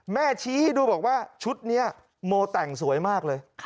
แม่ชี้ดูบอกว่าชุดเนี่ยโมแต่งสวยมากเลย